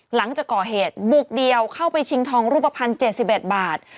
หลังจากก่อเหตุบุกเดียวเข้าไปชิงทองรูปภัณฑ์๗๑บาท